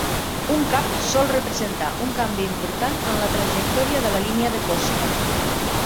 Un cap sol representar un canvi important en la trajectòria de la línia de costa.